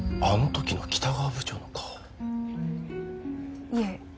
あのときの北川部長の顔いえ